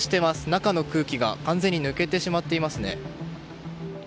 中の空気が完全に抜けてしまっていますね。